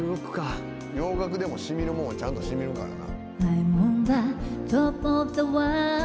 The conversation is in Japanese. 洋楽でも染みるもんはちゃんと染みるからな。